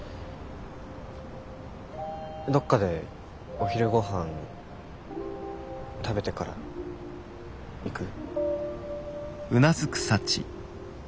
どっかでお昼ごはん食べてから行く？